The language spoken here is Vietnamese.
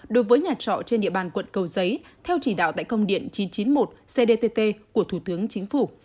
đối với nhà trọ trên địa bàn quận cầu giấy theo chỉ đạo tại công điện chín trăm chín mươi một cdtt của thủ tướng chính phủ